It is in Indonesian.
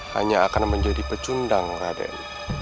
hanya akan menjadi pecundang raden